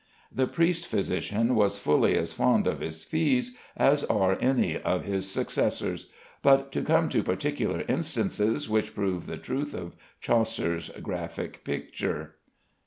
The priest physician was fully as fond of his fees as are any of his successors. But to come to particular instances which prove the truth of Chaucer's graphic picture.